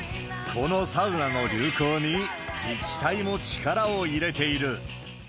このサウナの流行に自治体も力を入れている。